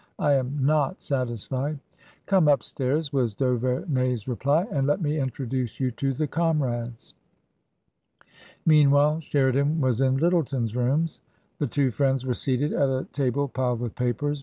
I am not satisfied !"" Come upstairs," was d*Auvemey*s reply, " and let me introduce you to the comrades." Meanwhile, Sheridan was in Lyttleton's rooms. The two friends were seated at a table piled with papers.